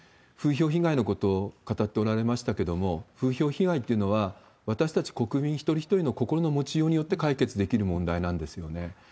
風評被害のことを語っておられましたけれども、風評被害っていうのは、私たち国民一人一人の心の持ちようによって解決できる問題なんですよね。